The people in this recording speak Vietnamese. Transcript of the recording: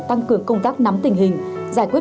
tăng cường công tác nắm tình hình giải quyết